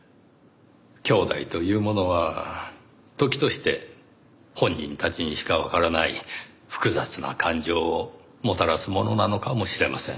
兄弟というものは時として本人たちにしかわからない複雑な感情をもたらすものなのかもしれません。